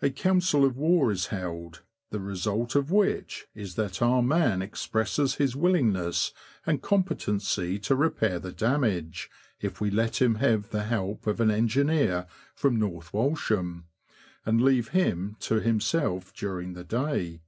A council of war is held, the result of which is that our man expresses his willingness and competency to repair the damage, if we let him have the help of an engineer from North Walsham, and leave him to himself during the day.